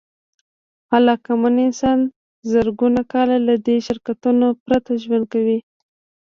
عقلمن انسان زرګونه کاله له دې شرکتونو پرته ژوند کاوه.